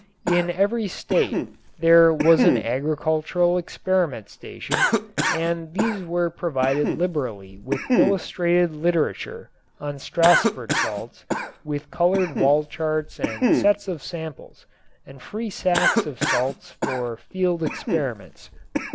In every state there was an agricultural experiment station and these were provided liberally with illustrated literature on Stassfurt salts with colored wall charts and sets of samples and free sacks of salts for field experiments.